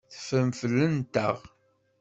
Teffrem fell-anteɣ.